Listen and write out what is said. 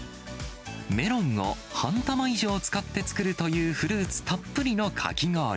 メロンを半玉以上使って作るというフルーツたっぷりのかき氷。